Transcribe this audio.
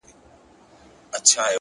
د حقیقت رڼا سیوري لنډوي،